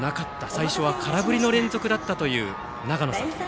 最初は空振りの連続だったという永野さん。